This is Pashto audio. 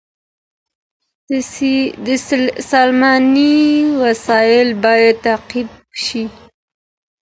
د سلمانۍ وسایل باید تعقیم شي.